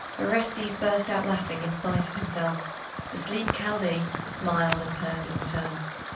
Orestes burst out laughing, in spite of himself. The sleek Chaldee smiled and purred in return.